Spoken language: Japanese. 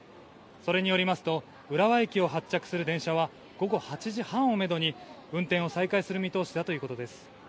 それによりますと浦和駅を発着する電車は午後８時半をめどに運転を再開する見通しだということです。